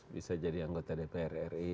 bisa jadi anggota dpr ri